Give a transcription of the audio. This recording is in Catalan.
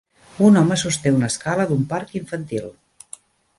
Un home sosté una escala d'un parc infantil.